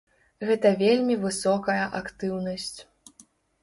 Гэта вельмі высокая актыўнасць.